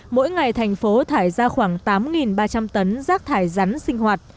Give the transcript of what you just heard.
mỗi ngày thành phố thải ra khoảng tám ba trăm linh tấn rác thải rắn sinh hoạt